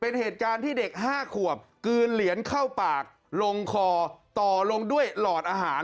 มันปลอดภัย